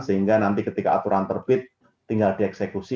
sehingga nanti ketika aturan terbit tinggal dieksekusi